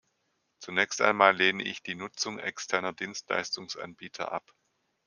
Zunächst einmal lehne ich die Nutzung externer Dienstleistungsanbieter ab.